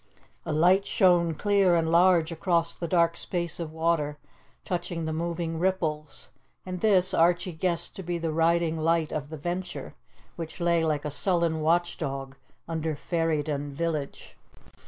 A light shone clear and large across the dark space of water, touching the moving ripples, and this Archie guessed to be the riding light of the Venture, which lay like a sullen watch dog under Ferryden village.